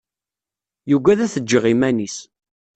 Yugad ad t-ǧǧeɣ iman-is.